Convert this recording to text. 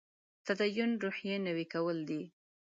تدین روحیې نوي کول دی.